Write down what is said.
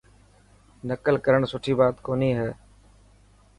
نڪل ڪرڻ سٺي بات ڪوني هي.